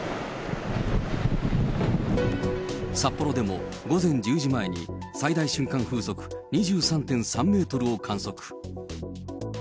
札幌でも午前１０時前に最大瞬間風速２３．３メートルを観測。